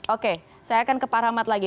oke saya akan ke parahmat lagi